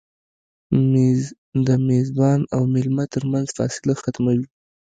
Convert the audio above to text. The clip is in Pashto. مېز د میزبان او مېلمه تر منځ فاصله ختموي.